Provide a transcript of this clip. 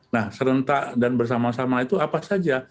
nah serentak dan bersama sama itu apa saja